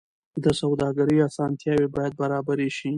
د سوداګرۍ اسانتیاوې باید برابرې شي.